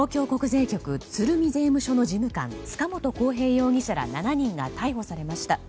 税務署の事務官塚本晃平容疑者ら７人が逮捕されました。